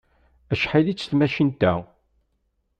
Acḥal-itt tmacint-a?